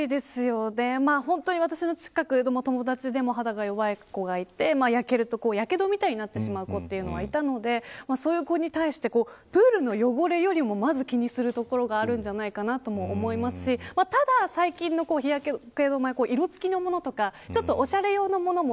私の友達でも肌の弱い子がいて焼けると、やけどみたいになってしまう子がいたのでそういう子に対してプールの汚れよりもまず気にするところがあるんじゃないかなと思いますしただ、最近の日焼け止めは色付きのものとかおしゃれなものも